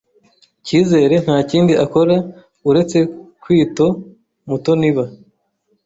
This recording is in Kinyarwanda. Cyizere ntakindi akora uretse kwitoMutoniba.